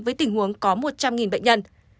với tình huống có một trăm linh bệnh nhân